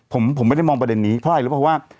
ผมไม่ได้มองประเด็นนี้เพราะว่า